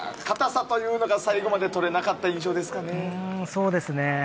硬さというのが最後までとれなかった印象ですかね。